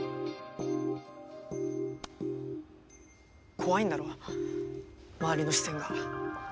怖いんだろ周りの視線が。